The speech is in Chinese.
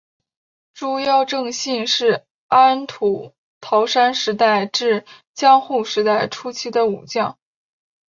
竹腰正信是安土桃山时代至江户时代初期的武将。